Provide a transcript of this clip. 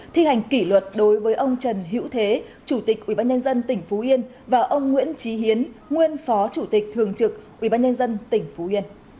thi hành kỷ luật đối với ông trần hữu thế chủ tịch ubnd tỉnh phú yên và ông nguyễn trí hiến nguyên phó chủ tịch thường trực ubnd